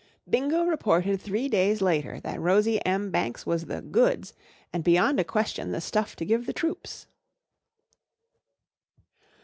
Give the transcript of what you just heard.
B INGO reported three days later that Rosie M. Banks was the goods and beyond a question the stuff to give the troops.